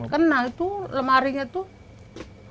kena itu lemarinya tuh